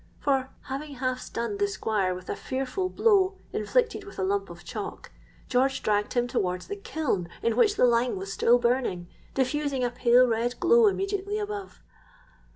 For, having half stunned the Squire with a fearful blow, inflicted with a lump of chalk, George dragged him towards the kiln in which the lime was still burning, diffusing a pale red glow immediately above.